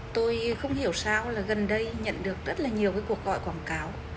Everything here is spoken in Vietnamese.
tôi không hiểu sao là gần đây nhận được rất là nhiều cái cuộc gọi quảng cáo